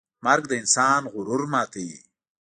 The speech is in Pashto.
مرګ د انسان غرور ماتوي.